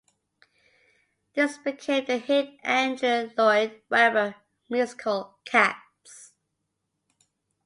This became the hit Andrew Lloyd Webber musical "Cats".